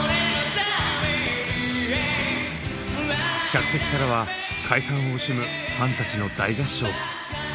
客席からは解散を惜しむファンたちの大合唱。